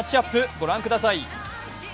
ご覧ください。